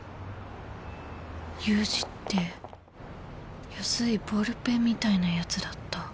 ユウジって安いボールペンみたいなやつだった